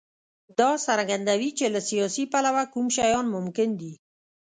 دا څرګندوي چې له سیاسي پلوه کوم شیان ممکن دي.